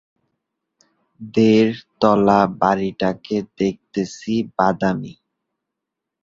আলাউদ্দিন মাসুদ ক্ষমতাচ্যুত হওয়ার পর তিনি মসনদে বসেন।